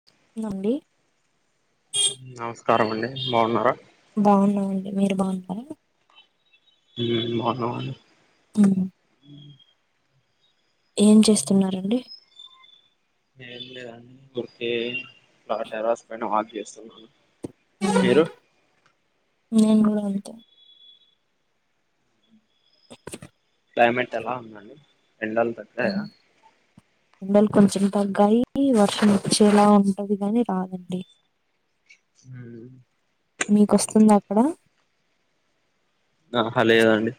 [inaudible] నండి నమస్కారం అండి బాగున్నారా బాగున్నా మండి మీరు బాగున్నారా మ్మ్ బాగున్నామండీ ఉ ఆ ఏం చేస్తున్నారు అండి ఎం లేదు అండి ఊరికే అలా టెర్రస్ పైన వాక్ చేస్తున్నాను ఉమ్. మీరు నేను కూడా అంతే అ [inaudible] క్లైమేట్ ఎలా ఉంది అండి ఎండలు త మ్మ్ ఎండలు కొంచెం తగ్గాయి వర్షం వచ్చేలా ఉంటది గాని రాదండి. మ్మ్ మీకు వస్తుంద అక్కడ? ఆహా లేదండి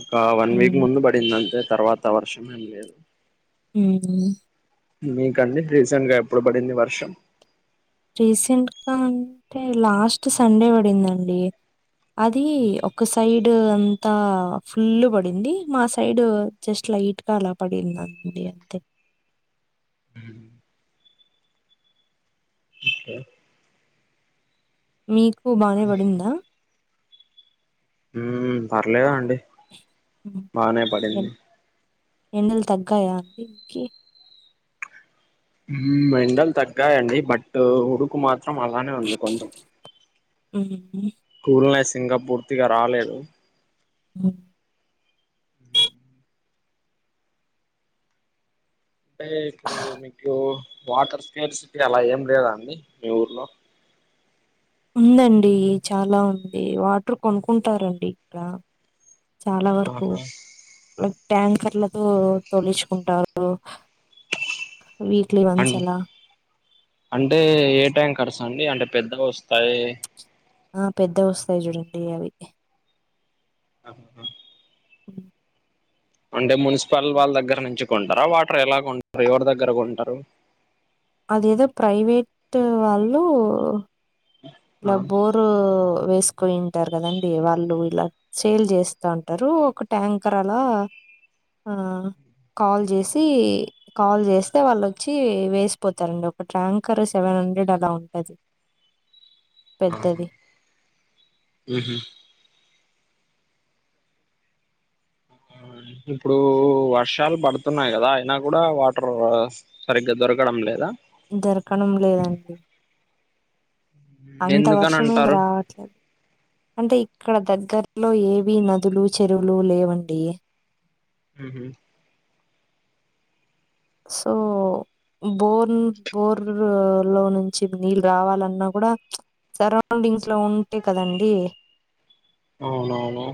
ఒక వన్ వీక్ ఉమ్. ముందు పడింది అంతే తర్వాత వర్షం ఏం లేదు. మ్హు మీకండి రీసెంట్ గా ఎప్పుడు పడింది వర్షం? రీసెంట్గా అంటే లాస్ట్ సండే పడిందండి అది ఒకస సైడ్ అంతా ఫుల్ పడింది మా సైడ్ జస్ట్ లైట్ గా అలా పడింది అండి అంతే దు మీకు బానే పడిందా? మ్మ్ పర్లేదు అండి ఏ ఎండలు తగ్గాయ అన్నింటికీ ఎండలు తగ్గాయండి బట్ ఉడుకు మాత్రం అలానే ఉంది కొంచెం ఉహుహు కూల్నెస్ ఇంకా పూర్తిగా రాలేదు. గు అ అంటే ఇప్పుడు మీకు వాటర్ స్కేల్స్ అలా ఏం లేదా అండి మీ ఊర్లో? ఉందండి చాలా ఉంది వాటర్ కొనుకుంటారండి ఇక్కడ చాలా వరకు ఆహా లైక్ టాంకర్ల తో తొలిచ్చుకుంటారు వీక్లీ అం వన్స్ అలా అంటే ఏ టాంకర్స్ అండి అంటే పెద్దగా వస్తాయి ఆ పెద్ద వస్తాయి చూడండి అవి అబ్బా ఉ అంటే మున్సిపల్ వాళ్ళ దగ్గర నుంచి కొంటారా వాటర్ ఎలా కొంటారు, ఎవరి దగ్గర కొంటారు? అదేదో ప్రైవేట్ వాళ్ళు ఇలా ఆ బోరు వేసుకుని ఉంటారు కదండి వాళ్ళు ఇలా సేల్ చేస్తా ఉంటారు ఒక ట్యాంకర్ అలా ఆ కాల్ చేసి కాల్ చేస్తే వాళ్ళుచ్చి వేసిపోతారండి ఒక ట్యాంకర్ సెవెన్ హండ్రెడ్ అలా ఉంటది. ఆహ పెద్దది. ఉహు ఇప్పుడు వర్షాలు పడుతున్నాయి కదా అయినా కూడా వాటర్ సరిగ్గా దొరకడం లేదా? దొరకడం లేదండి అంత ఎందుకని వర్షం ఏం అంటారు రా అంటే ఇక్కడ దగ్గర్లో ఏవి నదులు, చెరువులు లేవండి ఉహు సో బోర్న్ బోర్ లో నుంచి నీళ్ళు రావాలన్నా కూడా చ్ సరౌండింగ్స్ లో ఉంటే కదండి అవునవును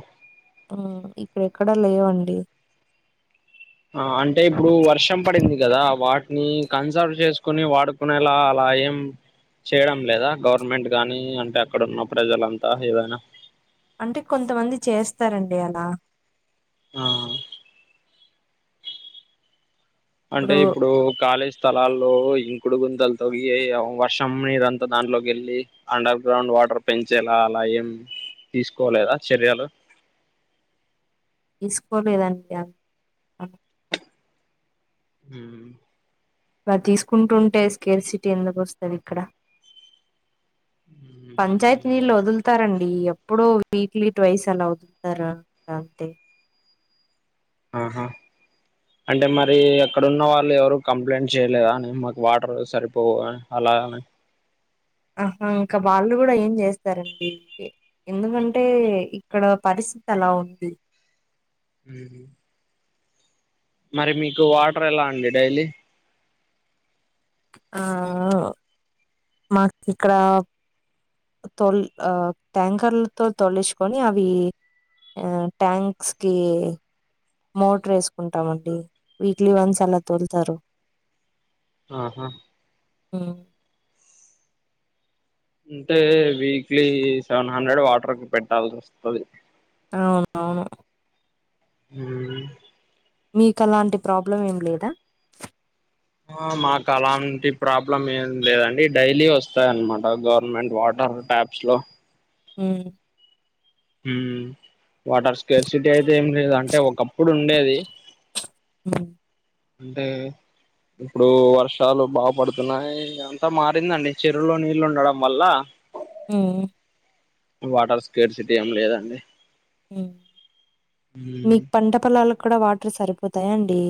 ఆ ఇక్కడెక్కడ లేవండి ఆ అంటే ఇప్పుడు వర్షం పడింది కదా వాటిని కన్సర్వ్ చేసుకుని వాడు కునేలా అలా ఏం చేయడం లేదా గవర్నమెంట్ గానీ అంటే అక్కడ ఉన్న ప్రజలంతా ఏదైనా అంటే కొంతమంది చేస్తారండి అలా ఆ అంటే ఇప్పుడు ఇప్పుడూ కాలేజ్ స్థలాల్లో ఇంకుడు గుంతలు తొవ్వి వర్షం నీరంతా దాంట్లోకి ఎళ్ళి అండర్ గ్రౌండ్ వాటర్ పెంచేలా అలా ఏం తీస్కోలేదా చర్యలు తీస్కోలేదండి అ అ ఉమ్ [unintelligible] తీసుకుంటుంటే స్కేర్ సిటీ ఎందుకు ఒస్తది ఇక్కడ పంచాయత్ నీళ్లు ఒదులుతారండి ఇ [unintelligible] ఎప్పుడో వీక్లీ ట్వైస్ అలా [unintelligible] అంతే ఆహా అంటే మరి అక్కడున్న వాళ్ళు ఎవరు కంప్లైంట్ చేయలేదా అని మాకు వాటర్ సరిపోవు అలా ఆహా ఇంకా వాళ్ళు కూడా ఏం చేస్తారండి ఎందుకంటే ఇక్కడ పరిస్థితి అలా ఉంది ఉహుమ్ మరి మీకు వాటర్ ఎలా అండి డైలీ ఆ మాకు ఇక్కడా తొల్ ఆ టాంకర్లతో తోలిచుకొని అవి ఆ ట్యాంక్స్ కి మోటర్ ఏసుకుంటామండి వీక్లీ వన్స్ అలా తోలుతారు ఆహా ఉమ్ అంటే వీక్లీ సెవెన్ హండ్రెడ్ వాటర్ కి పెట్టాల్సి ఒస్తది అవును అవును ఉ మీకు అలాంటి ప్రాబ్లం ఏం లేదా ఆ మాకు అలాంటి ప్రాబ్లం ఏం లేదండి డైలీ వస్తాయ్ అనమాట గవర్నమెంట్ వాటర్ ట్యాప్స్లో ఉ ఉమ్ వాటర్స్ స్కేర్సిటీ అయితే ఏం లేదు అంటే ఒకప్పుడు ఉండేది హ్మ్. అంటే ఇప్పుడు వర్షాలు బా పడుతున్నాయి అంతా మారిందండి చెరువులో నీళ్ళు ఉండడం వల్ల ఉమ్ వాటర్ స్కేర్సిటీ ఏం లేదండి ఉ మీకు మ్మ్ పంట పొలాలకు కూడా వాటర్ సరిపోతాయా అండి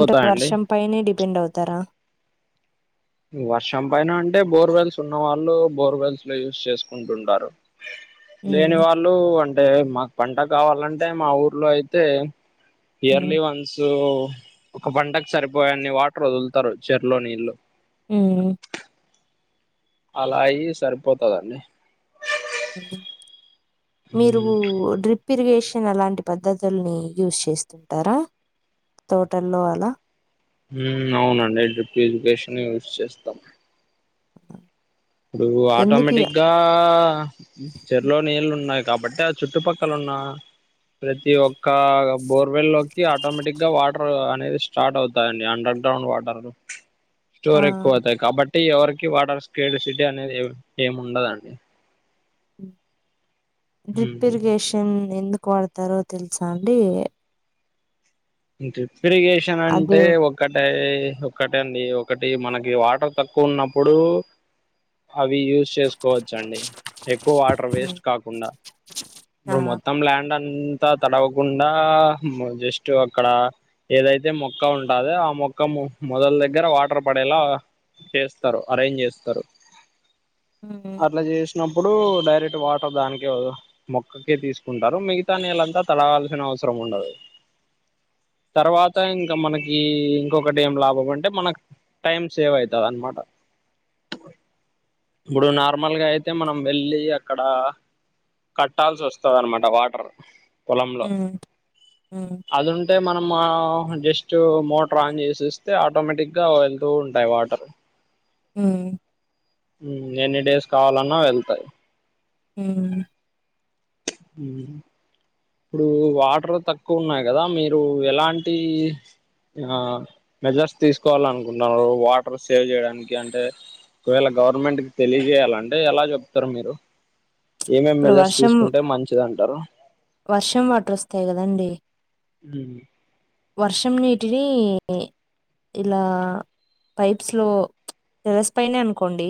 అంటే వర్షం పైనే డిపెండ్ అవుతారా ఇ వర్షం పైన అంటే బోర్వెల్స్ ఉన్న వాళ్ళు బోర్వెల్స్ లో యూస్ చేసుకుంటుంటారు లేని హ్మ్. వాళ్ళు అంటే మాకు పంట కావాలంటే మా ఊర్లో అయితే హ్మ్. ఇయర్లీ వన్స్ ఒక పంటకు సరిపోయన్ని వాటర్ వదులుతారు చెర్లో నీళ్లు ఉమ్ అలా అయ్యి సరిపోతదాండి మీరు డ్రిప్ పిరిగేషన్ అలాంటి పద్ధతుల్ని యూస్ చేస్తుంటారా తోటల్లో అలా హ్మ్ అవునండి డ్రిప్ ఎడ్యుకేషనే యూస్చేస్తాం ఇప్పుడు ఎందుకు ఆటోమేటిక్గా చెరువులో నీళ్ళు ఉన్నాయి కాబట్టి ఆ చుట్టుపక్కల ఉన్నా ప్రతి ఒక్క బోర్వెల్ లోకి ఆటోమేటిక్ గా వాటర్ అనేది స్టార్ట్ అవుతాయండి అండర్ గ్రౌండ్ వాటర్ ఉ స్టోర్ ఎక్కువ అవుతాయి కాబట్టి ఎవరికి వాటర్ స్కెడిసిటీ అనేది ఏం ఏముండదండి డ్రిప్ ఇరిగేషన్ ఎందుకు వాడతారో తెలుసా అండి డ్రిప్ ఇరిగేషన్ అది అంటే ఒక్ ఒకటే ఒకటే అండి ఒకటి మనకి వాటర్ తక్కువ ఉన్నప్పుడు అవి యూజ్ చేకోవచ్చండి ఎక్కువ వాటర్ హ్మ్. వేస్ట్ కాకుండ ఆ! ఇప్పుడు మొత్తం ల్యాండ్ అంత్ అంత తడవకున్డా మ్ జస్ట్ ఒక్ అక్కడ ఏదైతే మొక్క ఉంటదో ఆ మొక్క మొ మొదల్ దగ్గర వాటర్ పడేలా చేస్తరు అరేంజ్ చేస్తరు హ్మ్ అట్లా చేసినప్పుడు డైరెక్ట్ వాటర్ దానికే ఒ మొక్కకే తీసుకుంటారు మిగతా నీళ్ళంతా తడవాల్సిన అవసరం ఉండదు తర్వాత ఇంకా మనకి ఇంకొకటి ఏం లాభం అంటే మనక్ టైమ్ సేవ్ అవుతాదన్మాట ఉ ఇప్పుడు నార్మల్గా అయితే మనం వెళ్ళి అక్కడ కట్టాల్సి వస్దన్మాట వాటర్ పొలంలో హ్మ్. హ్మ్. అదివున్ అంటే మనం ఆ జస్ట్ మోటర్ ఆన్ చేసిస్తే ఆటోమేటిక్గా వెళ్తూ ఉంటయ్ వాటర్ హ్మ్ ఎన్ని డేస్ కావాలన్నా యెళ్తయ్ హ్మ్ ఉమ్ ఇప్పుడు వాటర్ తక్కువ ఉన్నాయి కదా మీరు ఎలాంటి ఆ మెజర్స్ తీసుకోవాలనుకుంటున్నారు వాటర్ సేవ్ చేయడానికి అంటే ఒకవేళ గవర్నమెంట్ కి తెలియజేయాలంటే ఎలా చెప్తరు మీరు ఏమేం ఇప్పుడు మెజర్స్ వర్షం తీసుకుంటే మంచిది అంటారు వర్షం వాటరొస్తాయి గదండీ! హ్మ్ వర్షం నీటిని ఇలా పైప్స్ లో టెరస్ పైనే అనుకోండి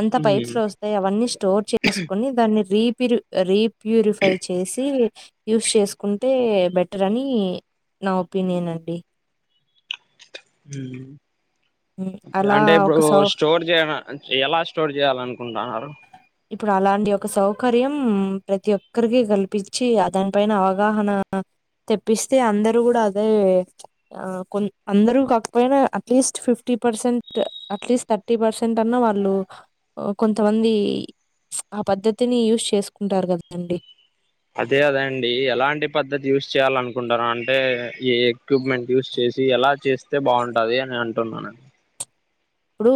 అంత పైప్స్ ఉమ్ లో వస్తాయి అవన్నీ స్టోర్ చేసుకొని దాన్ని రీపిరు రి ప్యూరిఫై చేసి యూస్ చేసుకుంటే బెటర్ అని నా ఒపీనియన్ అండి హ్మ్. అలా అంటే ఇప్పుడు ఒక సౌ స్టోర్ చేయనా ఎలా స్టోర్ చేయాల అనుకుంటున్నారు ఇప్పుడు అలాంటి ఒక సౌకర్యం ప్రతి ఒక్కరికి కల్పించి ఆ దానిపైైన అవగాహన తెప్పిస్తే అందరూ కూడా అదే, కొ అందరూ కాకపోయినా అట్లీస్ట్ ఫిఫ్టీ పర్సెంట్ అట్లీస్ట్ థర్, ఫిఫ్టీ పర్సెంట్ అన్నా వాళ్ళు కొంతమంది, ఆ పద్ధతిని యూజ్ చేసుకుంటారు కదండి, అదే అదండి ఎలాంటి పద్ధతి యూస్ చేయాల అనుకుంటారు అంటే ఈ ఎక్విప్మెంట్ యూస్ చేసి ఎలా, చేస్తే బాగుంటది అని అంటున్నాను. ఇప్పుడు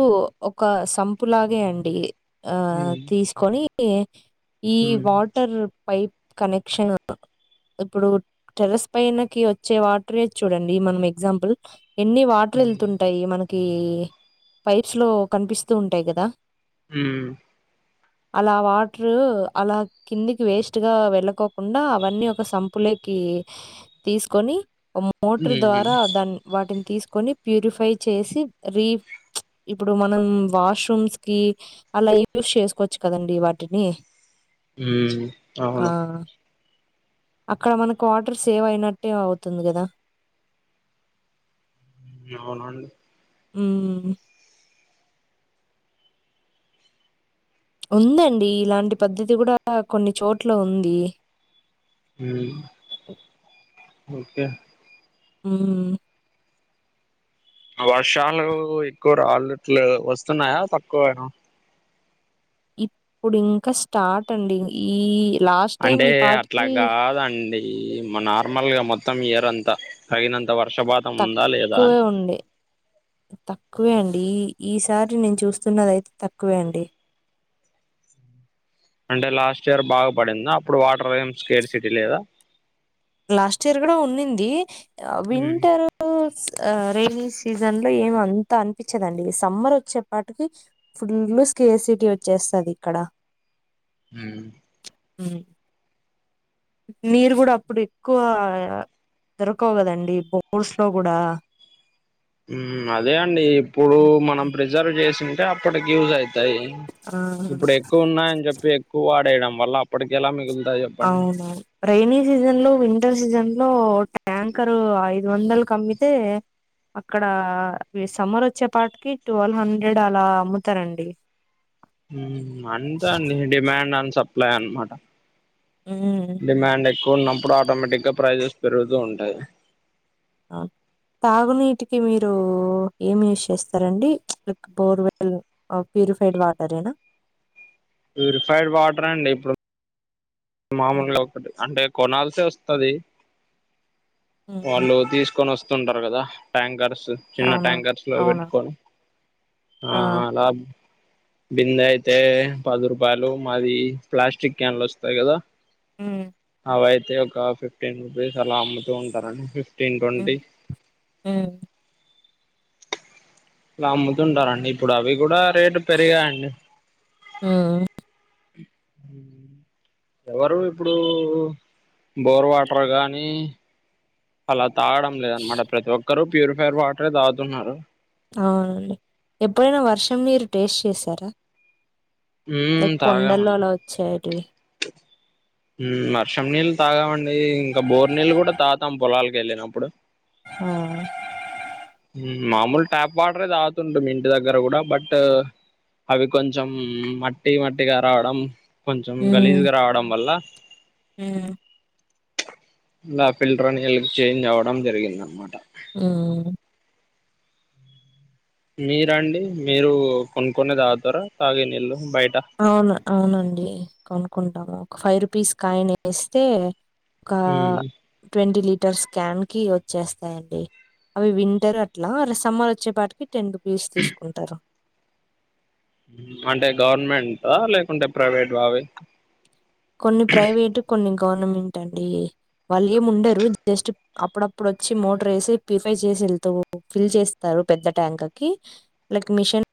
ఒక సంపు లాగే అండి ఆ ఉమ్ తీసుకొని, ఈ వాటర్ పైప్ కనెక్షన్, ఇప్పుడు టెరెస్ పైనకి వచ్చే వాటర్ చూడండి మనం ఎగ్జాంపుల్ ఎన్ని వాటర్లు వెళ్తుంటాయి మనకి పైప్స్ లో కనిపిస్తూ ఉంటాయి కదా. ఉ అలా వాటరు అలా కిందికి వేస్ట్ గా వెళ్ళకోకుండా అవన్నీ ఒక సంపులే, కి తీసుకొని ఒ, మోటర్ ఉమ్ ద్వారా దాన్ని వాటిని తీసుకొని ప్యూరిఫై చేసి రీ, ఇప్పుడు మనం వాష్రూమ్స్ కి అలా యూస్ చేసుకోవచ్చు కదండడి వాటిని, ఉమ్ ఆ అవును. అక్కడ మనకు వాటర్ సేవ్ అయినట్టే అవుతుంది కదా, ఎ అవునండి, ఉమ్, ఉందండి ఇలాంటి పద్ధతి కూడా కొన్ని చోట్ల ఉంది. ఉం ఓకే, ఉ వర్షాలు ఎక్కువ రాళ్ళట్లు వస్తున్నాయా తక్కువ ఏనాో, ఇప్పుడు ఇంకా స్టార్ట్ అండి ఈ, లాస్ట్ టైం అంటే ఈ అట్లా పాటకి కాదండి, ఈ నార్మల్ గా మొత్తం ఇయర్ అంత తగినంత వర్షపాత, తక్కువే ఉండి, తక్కువే అండి ఈ ఈసారి నేను చూస్తున్నది అయితే తక్కువే అండి. అంటే లాస్ట్ ఇయర్ బాగా పడింది అప్పుడు వాటర్ వమ్ స్కేర్సిటీ లేదా, లాస్ట్ ఇయర్ కూడా ఉన్నింది ఉమ్ వింటర్, ఆ రైైన సీజన్ లో ఏమ అంతా అనిపించదండి సమ్మర్ వచ్చేపాటికి, ఫుల్లు స్క్ సిటి వచ్చేస్తుంది ఇక్కడ, అ ఉం, నీరు కూడా అప్పుడు ఎక్కువ దొరక కదండి బోర్స్ లో కూడా, ఉం అదే అండి ఇప్పుడు మనం ప్రిజర్వ్ చేసింటే అప్పటికి యూజ్ అయితాయి. ఆ ఇప్పుడు ఎక్కువ ఉన్నాయని చెప్పి ఎక్కువ వాడేయడం వల్ల అప్పటిక ఎలా మిగులుతాయో, అవునువు, రైైన సీజన్ లో వింటర్ సీజన్ లో ట్యాంకరు ఐదు వందలుకు అమ్మితే, అక్కడ సమ్మర్ వచ్చే పాటికి ట్వెల్వ్ హండ్రెడ్ అలా అమ్ముతారండి. అంతే అండి డిమాండ్ అండ్ సప్లై అనమాట, ఉ డిమాండ్ ఎక్కువ ఉన్నప్పుడు ఆటోమేటిక్గా ప్రజెస్ పెరుగుతూ ఉంటాయి. ఆ తాగునీటికి మీరు ఏం యూజ్ చేస్తరండి ప్చ్ లైక్ బోర్వెల్ ఆ ప్యూరిఫైడ్ వాటరేనా? ప్యూరిఫైడ్ వాటర్ అండి ఇప్పుడు హ్మ్. మామూలుగా ఒకటి అంటే కొనాల్సి వస్తది హ్మ్. వాళ్ళు తీసుకొని వస్ తింటరు కదా ట్యాంకర్స్ చిన్న అవునా ట్యాంకర్స్ లో అవునా పెట్టుకొని ఆ లాబ్ బిందె అయితే పది రూపాయలు మాది ప్లాస్టిక్ క్యాన్లు వస్తాయి కదా ఉమ్ అవైతే ఒక ఫిఫ్టీన్ రూపీస్ అలా అమ్ముతూ ఉంటారండి. ఫిఫ్టీన్, ఉమ్ ట్వంటీ ఉమ్ ఇలా అమ్ముతుంటారండి ఇప్పుడు అవి గుడ రేటు పెరిగాయండి ఉమ్ ఉమ్ ఎవరు ఇప్పుడు బోర్ వాటర్ గానీ అలా తాగడం లేదనమాట ప్రతి ఒక్కరు ప్యూరిఫైర్ వాటరే తాగుతున్నారు. అవునండి ఎప్పుడైనా వర్షం మీరు టేస్ట్ చేశారా? ఉమ్ లైక్ కొండల్లో తాగామండి అలా వచ్చేటివి ఉమ్ వర్షం నీళ్ళు తాగావండి, ఇంకా బోరు నీళ్ళు గుడ తాగుతాం పొలాకెళ్ళినప్పుడు ఆ ఉమ్ మామూలు ట్యాప్ వాటరె తాగుతుంటిమి ఇంటి దగ్గర గుడ బట్ అవి కొంచం మట్టి మట్టిగా రావడం. కొంచంగ ఉమ్ లీజ్గా రావడం వల్ల ఉమ్ ఇంగ ఫిల్టర్ని నీల్ కి చేంజ్ అవ్వడం జరిగిందనమాట ఉమ్ మీరండి మీరు కొనుకొనే తాగుతరా, తాగేనీళ్ళు బయట అవును అవునండి కొనుకుంటాము, ఒక ఫైవ్ రూపీస్ కాయనేస్తే ఒక ఉమ్ ట్వంటీ లీటర్స్ క్యాన్ కి వచ్చేస్తాయండి. అవి వింటర్ అట్లా, అ సమ్మర్ వచ్చేపాటికి టెన్ రూపీస్ తీసుకుంటారు. అంటే గవర్నమెంట లేకుంటే ప్రవేట్ బావి? కొన్ని ప్రవేట్ కొన్ని గవర్నమెంట్ అండి, వాళ్ళు ఏమి ఉండరు జస్ట్ అప్పుడప్పుడచ్చి మోటర్ వేసి, ప్రిఫై చేసి ఎళ్తూ ఫిల్ చేస్తారు పెద్ద ట్యాంక్ కి. లకి మెషిన్